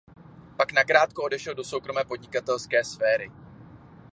Pak nakrátko odešel do soukromé podnikatelské sféry.